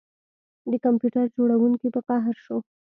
د کمپیوټر جوړونکي په قهر شو